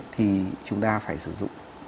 thì chúng ta phải sử dụng